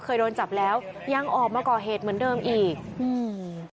เคยโดนจับแล้วยังออกมาก่อเหตุเหมือนเดิมอีกอืม